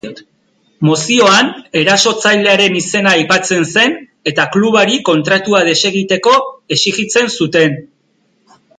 Mozioan, erasotzailearen izena aipatzen zen eta klubari kontratua desegiteko exijitzen zuten.